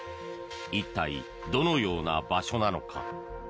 一体、どのような場所なのか。